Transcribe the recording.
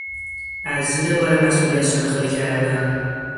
از زیر بار مسئولیت شانه خالی کردن